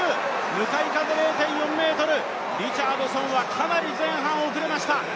向かい風０．４メートル、リチャードソンはかなり前半遅れました。